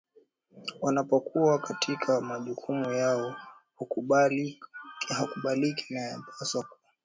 wanapokuwa katika majukumu yao hayakubaliki na yanapaswa kukemewa kwa kauli zote